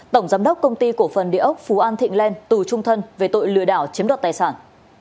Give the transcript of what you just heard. tổng giám đốc công ty cổ phần địa ốc phú an thịnh lên tù trung thân về tội lừa đảo chiếm đoạt tài sản